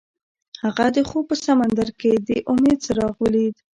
هغه د خوب په سمندر کې د امید څراغ ولید.